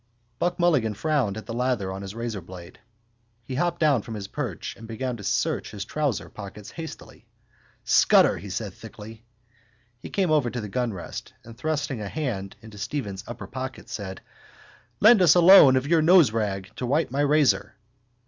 Buck Mulligan frowned at the lather on his razorblade. He hopped down from his perch and began to search his trouser pockets hastily. —Scutter! he cried thickly. He came over to the gunrest and, thrusting a hand into Stephen's upper pocket, said: —Lend us a loan of your noserag to wipe my razor.